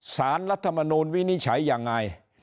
สารรัฐมนูลวินิจฉัยยังไง